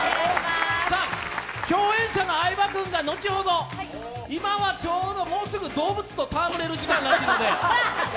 共演者の相葉君が後ほど、今はちょうどもうすぐ動物とたわむれる時間となっておりますので。